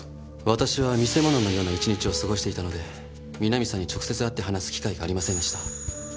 私は見せ物のような一日を過ごしていたので三波さんに直接会って話す機会がありませんでした。